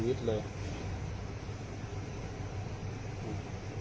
ติดลูกคลุม